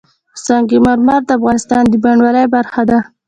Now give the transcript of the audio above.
سنگ مرمر د افغانستان د بڼوالۍ برخه ده.